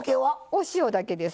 お塩だけです。